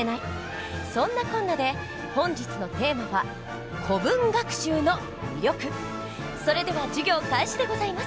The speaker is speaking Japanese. そんなこんなで本日のテーマはそれでは授業開始でございます。